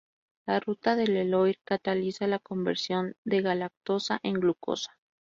La ruta de Leloir cataliza la conversión de galactosa en glucosa.